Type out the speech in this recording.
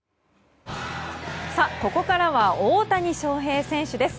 ここからは大谷翔平選手です。